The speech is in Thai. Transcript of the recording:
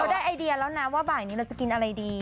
ได้ไอเดียแล้วนะว่าบ่ายนี้เราจะกินอะไรดี